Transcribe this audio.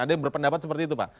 ada yang berpendapat seperti itu pak